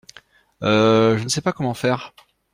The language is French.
Heu... Je ne sais pas comment faire.